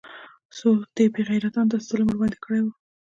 خو دې بې غيرتانو داسې ظلم ورباندې كړى و.